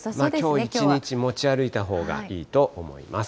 きょう一日、持ち歩いたほうがいいと思います。